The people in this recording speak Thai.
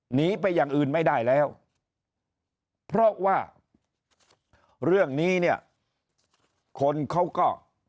หนีไปอย่างอื่นไม่ได้แล้วเพราะว่าเรื่องนี้เนี่ยคนเขาก็